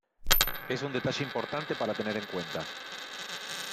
Es un detalle importante para tener en cuenta.